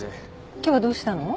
今日はどうしたの？